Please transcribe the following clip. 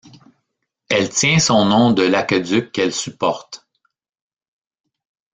Elle tient son nom de l'aqueduc qu'elle supporte.